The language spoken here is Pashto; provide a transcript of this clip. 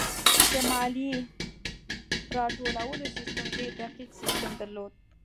د مالیې راټولولو سیستم ډېر دقیق سیستم درلود.